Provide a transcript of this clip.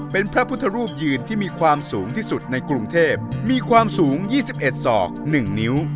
เป็นพระพุทธรูปยืนที่มีความสูงที่สุดในกรุงเทพมีความสูง๒๑ศอก๑นิ้ว